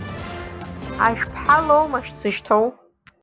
Ашәԥҳа лоумашь дзышьҭоу?